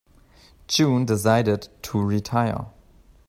June decided to retire.